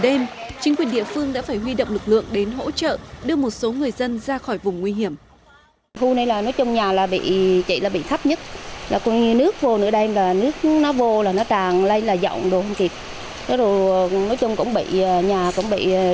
trên chính quyền địa phương đã phải huy động lực lượng đến hỗ trợ đưa một số người dân ra khỏi vùng nguy hiểm